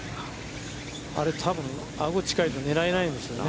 あれ多分アゴが近いと狙えないですよね。